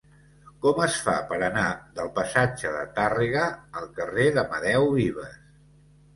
Com es fa per anar del passatge de Tàrrega al carrer d'Amadeu Vives?